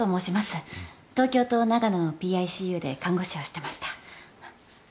東京と長野のＰＩＣＵで看護師をしてました。